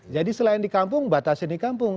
jadi selain di kampung batasin di kampung